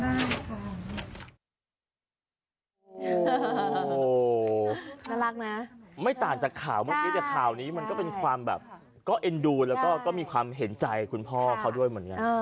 โอ้โหน่ารักนะไม่ต่างจากข่าวเมื่อกี้แต่ข่าวนี้มันก็เป็นความแบบก็เอ็นดูแล้วก็มีความเห็นใจคุณพ่อเขาด้วยเหมือนกัน